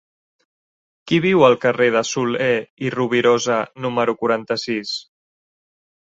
Qui viu al carrer de Soler i Rovirosa número quaranta-sis?